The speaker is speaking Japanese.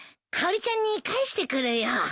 かおりちゃんに返してくるよ。